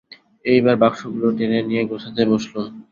এইবার বাক্সগুলো টেনে নিয়ে গোছাতে বসলুম।